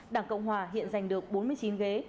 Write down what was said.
đảng cộng hòa hiện giành được bốn mươi chín ghế